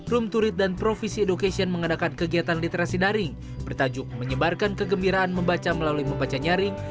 room to read dan provisi education mengadakan kegiatan literasi daring bertajuk menyebarkan kegembiraan membaca melalui membaca nyaring